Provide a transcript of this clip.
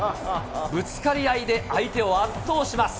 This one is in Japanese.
ぶつかり合いで相手を圧倒します。